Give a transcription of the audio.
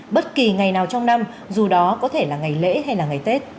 bất kỳ ngày nào trong năm dù đó có thể là ngày lễ hay là ngày tết